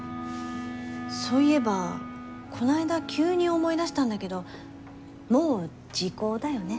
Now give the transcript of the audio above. そういえばこの間急に思い出したんだけどもう時効だよね？